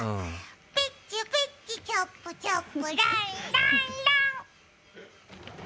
ピッチピッチチャプチャプランランラン！